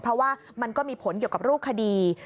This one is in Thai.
เพราะว่ามันก็มีผลเกี่ยวกับรูปคดี